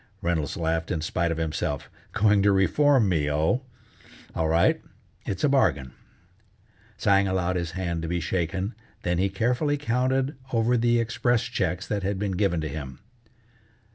Reynolds laughed in spite of himself: "Going to reform me, oh? All right, it's a bargain." Tsang allowed his hand to be shaken, then he carefully counted over the express checks that had been given to him.